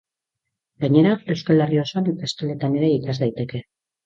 Gainera, Euskal Herri osoan ikastoletan ere ikas daiteke.